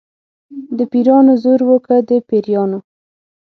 د پیرانو زور و که د پیریانو.